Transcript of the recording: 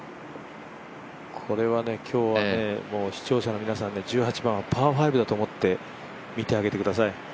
これは今日はね、視聴者の皆さん、１８番はパー５だと思って見てあげてください。